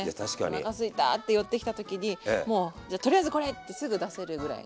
おなかすいたって寄ってきた時にもうじゃあとりあえずこれってすぐ出せるぐらいの。